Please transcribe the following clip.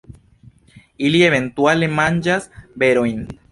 Ili eventuale manĝas berojn.